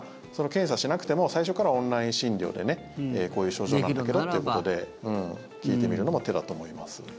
検査しなくても最初からオンライン診療でこういう症状なんだけどということで聞いてみるのも手だと思います。